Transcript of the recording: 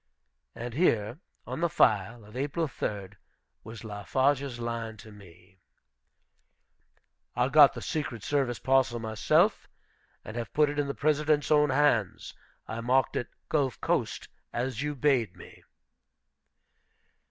And here, on the file of April 3d, was Fafarge's line to me: "I got the secret service parcel myself, and have put it in the President's own hands. I marked it, 'Gulf coast,' as you bade me."